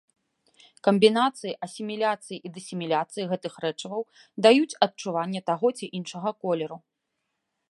Камбінацыі асіміляцыі і дысіміляцыі гэтых рэчываў даюць адчуванне таго ці іншага колеру.